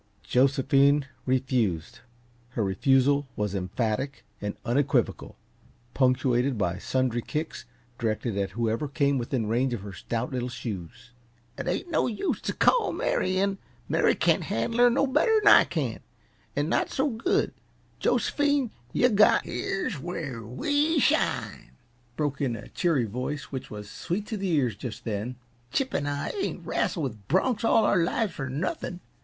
Josephine refused; her refusal was emphatic and unequivocal, punctuated by sundry kicks directed at whoever came within range of her stout little shoes. "It ain't no use t' call Mary in Mary can't handle her no better'n I can an' not so good. Jos'phine, yuh got " "Here's where we shine," broke in a cheery voice which was sweet to the ears, just then. "Chip and I ain't wrassled with bronks all our lives for nothing.